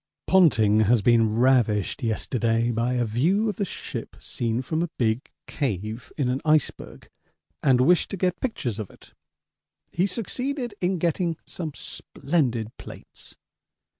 Ponting has been ravished yesterday by a view of the ship seen from a big cave in an iceberg, and wished to get pictures of it. He succeeded in getting some splendid plates.